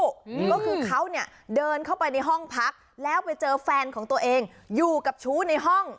ก็คือเขาเนี่ยเดินเข้าไปในห้องพักแล้วไปเจอแฟนของตัวเองอยู่กับชู้ในห้อง